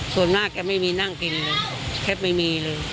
ส่วนมากแกไม่มีนั่งกินเลยแทบไม่มีเลย